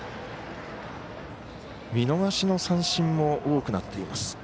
見逃しの三振も多くなっています。